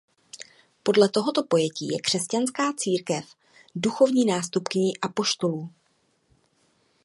Podle tohoto pojetí je křesťanská církev duchovní nástupkyní apoštolů.